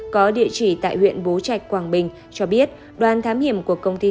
có địa chỉ tại huyện bố trạch quảng bình cho biết đoàn thám hiểm của công ty